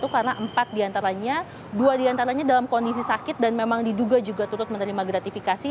karena empat diantaranya dua diantaranya dalam kondisi sakit dan memang diduga juga turut menerima gratifikasi